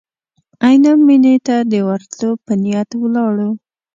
عینو مېنې ته د ورتلو په نیت ولاړو.